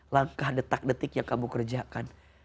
langkah detak detik yang kamu kerjakan